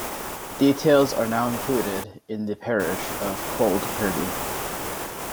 Details are now included in the parish of Cold Kirby.